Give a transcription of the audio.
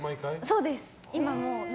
そうです！